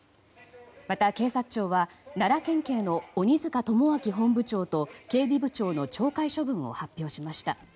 また、警察庁は奈良県警の鬼塚友章本部長と警備部長の懲戒処分を発表しました。